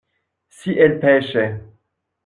Si elles pêchaient.